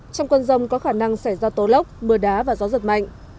trong cơn rông có khả năng xảy ra tố lốc mưa đá và gió giật mạnh